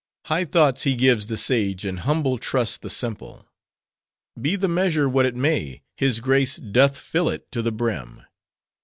High thoughts he gives the sage, and humble trust the simple. Be the measure what it may, his grace doth fill it to the brim.